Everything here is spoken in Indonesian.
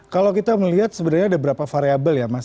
kalau kita melihat sebenarnya ada berapa variable ya mas